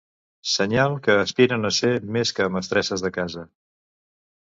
Senyal que aspiren a ser més que mestresses de casa.